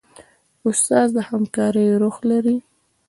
استاد د همکارۍ روح لري.